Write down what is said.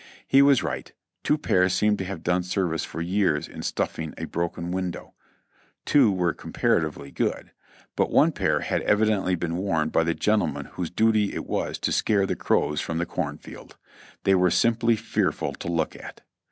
He was right ; two pairs seemed to have done service for years in stuffing a broken window; two were comparatively good : but one pair had evidently been worn by the gentleman whose duty it was to scare the crows from the corn field; they were simply fearful to look at.